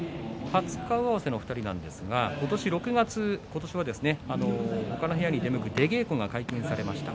初顔合わせの２人ですがことし６月他の部屋に出向く、出稽古が解禁されました。